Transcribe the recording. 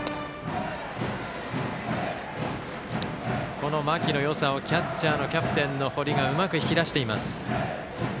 この間木のよさをキャッチャーのキャプテンの堀がうまく引き出しています。